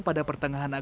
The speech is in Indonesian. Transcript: pada pertengahan agung